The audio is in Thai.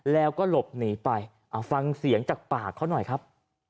แล้วก็หลบหนีไปเอาฟังเสียงจากปากเขาหน่อยครับ